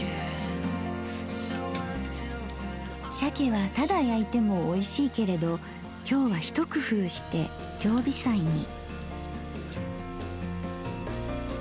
鮭はただ焼いてもおいしいけれど今日は一工夫して常備菜に。